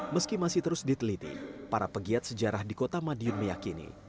meski masih terus diteliti para pegiat sejarah di kota madiun meyakini